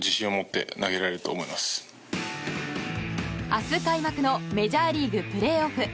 明日開幕のメジャーリーグプレーオフ。